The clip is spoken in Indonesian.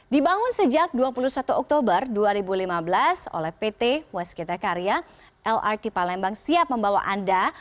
dibangun sejak dua puluh satu oktober dua ribu lima belas oleh pt waskita karya lrt palembang siap membawa anda